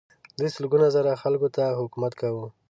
دوی سلګونه زره خلکو ته حکومت کاوه.